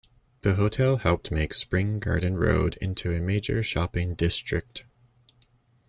The hotel helped make Spring Garden Road into a major shopping district.